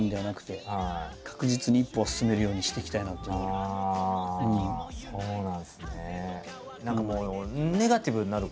ああそうなんですね。